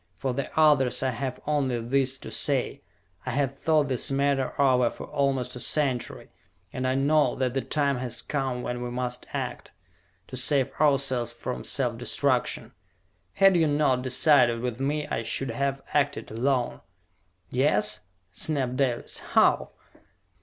For the others I have only this to say: I have thought this matter over for almost a century, and I know that the time has come when we must act, to save ourselves from self destruction. Had you not decided with me, I should have acted alone!" "Yes?" snapped Dalis. "How?"